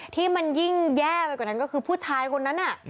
ที่มันยิ่งแย่ไปกว่านั้นก็คือผู้ชายคนนั้น